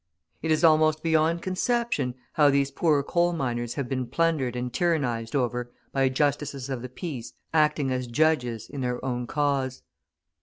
It is almost beyond conception how these poor coal miners have been plundered and tyrannised over by Justices of the Peace acting as judges in their own cause.